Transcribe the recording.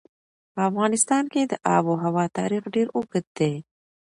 په افغانستان کې د آب وهوا تاریخ ډېر اوږد دی.